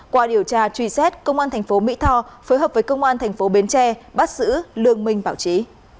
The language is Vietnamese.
qua điều tra truy xét công an thành phố mỹ tho phối hợp với công an thành phố bến tre bắt giữ lương minh bảo trí